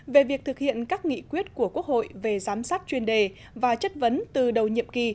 về việc thực hiện các nghị quyết của quốc hội về giám sát chuyên đề và chất vấn từ đầu nhiệm kỳ